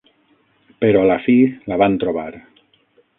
Però a la fi la van trobar!